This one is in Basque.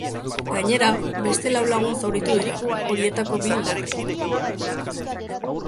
Gainera, beste lau lagun zauritu dira, horietako bi larri.